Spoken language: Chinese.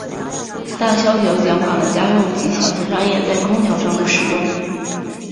大萧条减缓了家用及小型商业在空调上的使用。